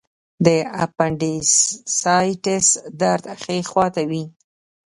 د اپنډیسایټس درد ښي خوا ته وي.